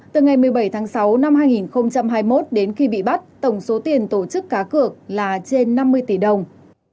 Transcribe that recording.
từ ngày một mươi bảy tháng sáu năm hai nghìn hai mươi một đến khi bị bắt tổng số tiền tổ chức cá cược là trên năm mươi tỷ đồng